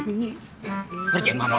lajain mamah aja lah